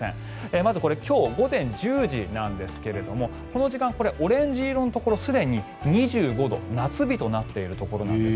まず、これ今日午前１０時なんですけれどもこの時間、オレンジ色のところすでに２５度、夏日となっているところなんです。